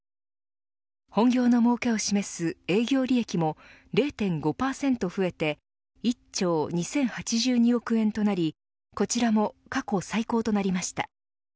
本業のもうけを示す営業利益も０．５％増えて１兆２０８２億円となりこちらも過去最高となりました。